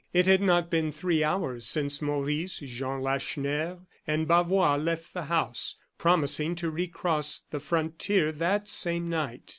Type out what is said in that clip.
It had not been three hours since Maurice, Jean Lacheneur and Bavois left the house, promising to re cross the frontier that same night.